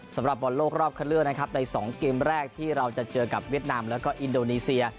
สำหรับบอลโลกรอบคันเลือกนะครับใน๒เกมแรกที่เราจะเจอกับเวียดนามแล้วก็อินโดนีเซีย